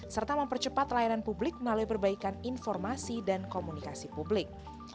serta mempercepat layanan publik melalui perbaikan informasi dan komunikasi publik